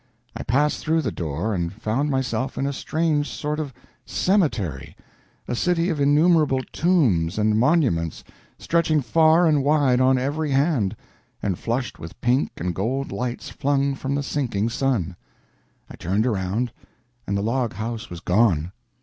I passed through the door, and found myself in a strange sort of cemetery, a city of innumerable tombs and monuments stretching far and wide on every hand, and flushed with pink and gold lights flung from the sinking sun. I turned around, and the log house was gone.